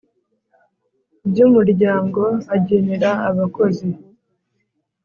By umuryango agenera abakozi